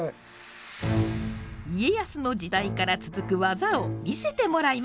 家康の時代から続く技を見せてもらいましょう。